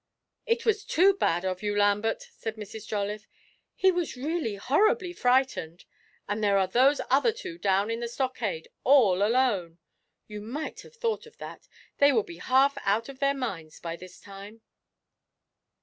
'It was too bad of you, Lambert,' said Mrs. Jolliffe. 'He was really horribly frightened, and there are those other two down in the stockade all alone you might have thought of that they will be half out of their minds by this time!'